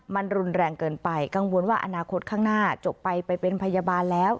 มันรุนแรงเกินไปกังวลว่าอนาคตข้างหน้าจบไปไปเป็นพยาบาลแล้ว